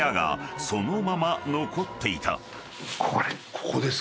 ここです。